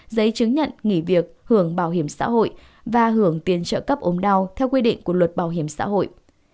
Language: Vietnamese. giấy chứng nhận nghỉ việc hưởng bảo hiểm xã hội và hưởng tiền trợ cấp ốm đau theo quy định của luật bảo hiểm xã hội